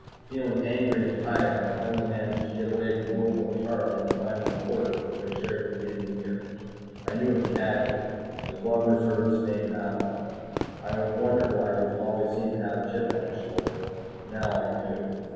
Feeling angry and tired, I finally managed to get away from Rule Book Charley and find my quarters which I shared with the Engineer. I knew him casually, a glum reservist named Allyn. I had wondered why he always seemed to have a chip on his shoulder. Now I knew.